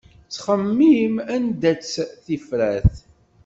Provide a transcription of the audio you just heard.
Tettxemmim anda-tt tifrat.